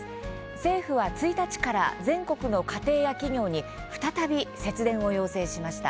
政府は１日から全国の家庭や企業に再び節電を要請しました。